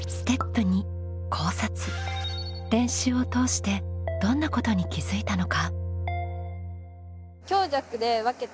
練習を通してどんなことに気づいたのか？